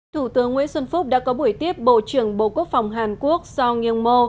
thủ tướng nguyễn xuân phúc đã có buổi tiếp bộ trưởng bộ quốc phòng hàn quốc so nghiêng mô